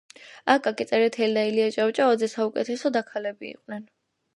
აკაკი წერეთელი და ილია ჭავჭავაძე ,საუკეთესო დაქალები იყვნენ